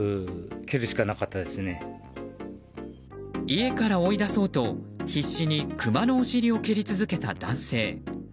家から追い出そうと必死にクマのお尻を蹴り続けた男性。